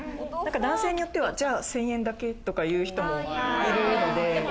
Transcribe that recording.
男性によっては、じゃあ１０００円だけとかっていう人もいるので。